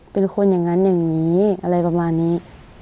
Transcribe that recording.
เป็นคนอย่างนั้นอย่างนี้อะไรประมาณนี้